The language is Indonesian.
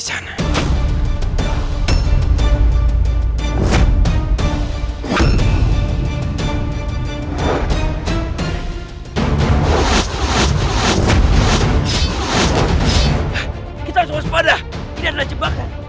ini adalah jebakan